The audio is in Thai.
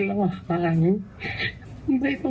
แล้วอยาก